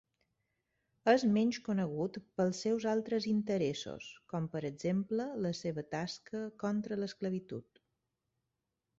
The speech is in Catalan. És menys conegut pels seus altres interessos, com per exemple la seva tasca contra l'esclavitud.